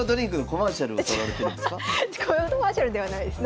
コマーシャルではないです。